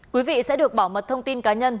quý vị sẽ được bảo mật thông tin cá nhân